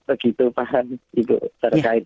begitu paham ibu terkait